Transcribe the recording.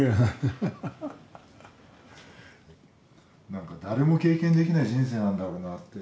なんか誰も経験できない人生なんだろうなって。